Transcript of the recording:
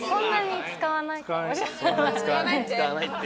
使わないって。